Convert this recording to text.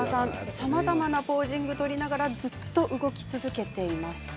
さまざまなポージングを取りながらずっと動き続けていました。